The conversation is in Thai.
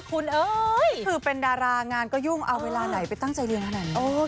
คุณเอ้ยคือเป็นดารางานก็ยุ่งเอาเวลาไหนไปตั้งใจเรียนขนาดนี้